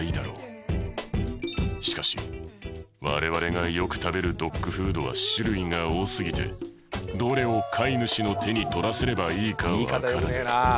しかし我々がよく食べるドッグフードは種類が多すぎてどれを飼い主の手に取らせればいいかわからない。